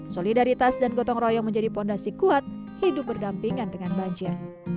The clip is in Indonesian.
solidaritas dan gotong royong menjadi fondasi kuat hidup berdampingan dengan banjir